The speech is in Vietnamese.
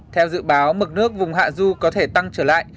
theo dự báo mực nước vùng hạ du có thể tăng trở lại